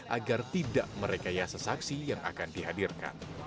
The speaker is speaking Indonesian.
agar tidak merekayasa saksi yang akan dihadirkan